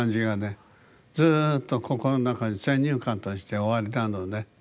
ずっと心の中に先入観としておありなのね。